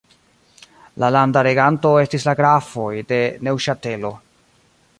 La landa reganto estis la grafoj de Neŭŝatelo.